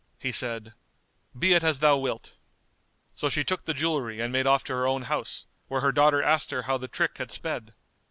He said, "Be it as thou wilt!" So she took the jewellery and made off to her own house, where her daughter asked her how the trick had sped.